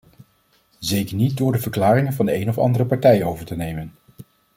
Zeker niet door de verklaringen van de een of andere partij over te nemen.